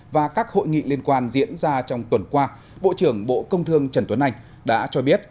và các hội nghị liên quan diễn ra trong tuần qua bộ trưởng bộ công thương trần tuấn anh đã cho biết